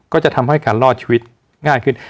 ก็จะทำให้การรอดชีวิตง่ายขึ้น